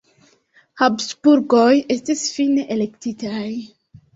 Habsburgoj estis fine elektitaj.